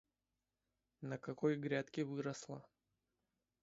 на какой грядке выросла.